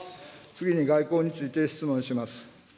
次に外交について質問します。